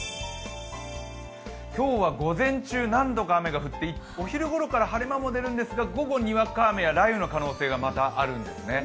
今日は午前中何度か雨が降って、お昼ごろから晴れ間も出るんですが、午後にわか雨や雷雨の可能性がまたあるんですね。